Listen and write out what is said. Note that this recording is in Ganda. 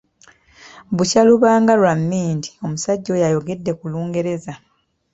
Bukya lubanga lwa mmindi, omusajja oyo ayogedde ku Lungereza.